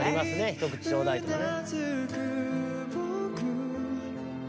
ひと口ちょうだいとかね。